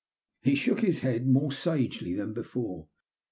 He shook his head more sagely than before.